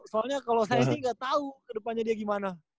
soalnya kalau saya sih gak tau kedepannya dia gimana